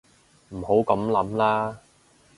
唔好噉諗啦